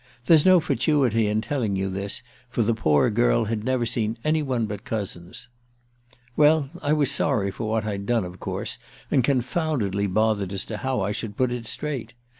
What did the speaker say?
There's no fatuity in telling you this, for the poor girl had never seen any one but cousins ... "Well, I was sorry for what I'd done, of course, and confoundedly bothered as to how I should put it straight.